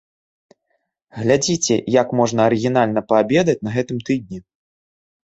Глядзіце, як можна арыгінальна паабедаць на гэтым тыдні!